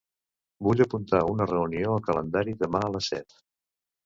Vull apuntar una reunió al calendari demà a les set.